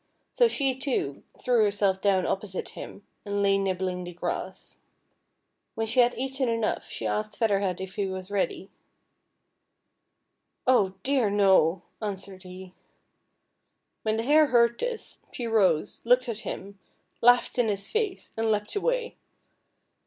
So she, too, threw herself down opposite him, and lay nibbling the grass. When she had eaten enough, she asked Feather Head if he was readv. 232 FEATHER HEAD. " Oh, dear no," answered he. When the Hare heard this, she rose, looked at him, laughed in his face, and leaped away.